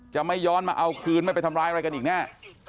จะไม่ย้อนมาเอาคืนไม่ไปทำร้ายอะไรกันอีกแน่